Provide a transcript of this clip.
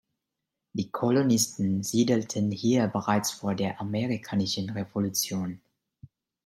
Die Kolonisten siedelten hier bereits vor der amerikanischen Revolution.